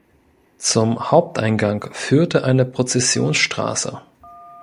Zum Haupteingang führte eine Prozessionsstraße.